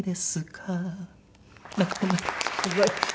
すごい。